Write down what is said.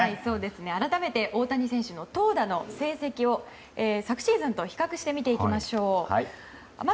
改めて大谷選手の投打の成績を昨シーズンと比較して見ていきましょう。